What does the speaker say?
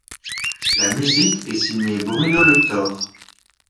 La musique est signée Bruno Letort.